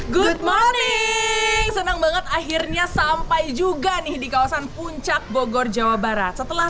good morning senang banget akhirnya sampai juga nih di kawasan puncak bogor jawa barat setelah